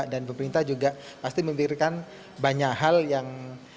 dan pemerintah juga pasti memikirkan banyak hal yang